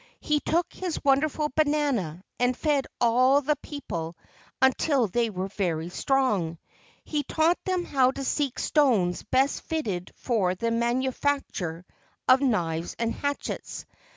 He took his wonderful banana and fed all the people until they were very strong. He taught them how to seek stones best fitted for the manu¬ facture of knives and hatchets.